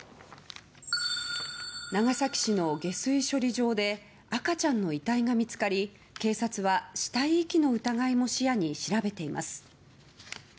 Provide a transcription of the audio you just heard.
長崎市の下水処理場で赤ちゃんの遺体が見つかり警察は死体遺棄の疑いも視野に調べています。